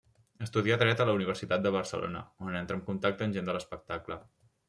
Estudià Dret a la Universitat de Barcelona, on entra en contacte amb gent de l'espectacle.